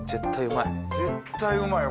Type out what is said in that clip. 絶対うまい。